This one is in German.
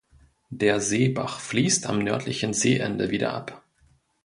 Der Seebach fließt am nördlichen Seeende wieder ab.